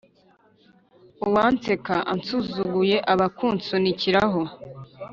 Uwanseka ansuzuguye aba akunsunikiraho